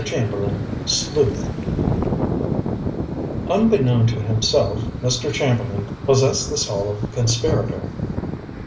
CHAMBERLAIN, SLEUTH Unbeknown to himself, Mr. Chamberlain possessed the soul of a conspirator.